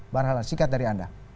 bang rahlan singkat dari anda